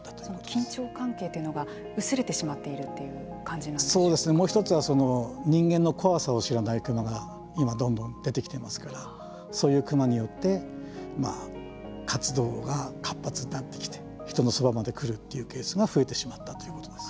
緊張関係というのが薄れてしまっているというもう一つは人間の怖さを知らないクマが今どんどん出てきていますからそういうクマによって活動が活発になってきて人のそばまで来るというケースが増えてしまったということです。